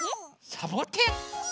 サボテン？